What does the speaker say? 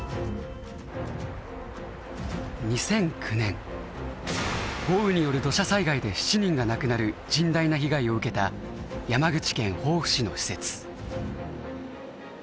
２００９年豪雨による土砂災害で７人が亡くなる甚大な被害を受けた山口県防府市の施設。